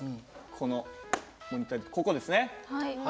このここですね。